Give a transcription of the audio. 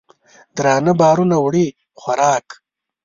درانه بارونه وړي خوراک